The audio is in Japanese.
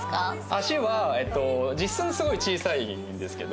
足は実寸すごい小さいんですけど。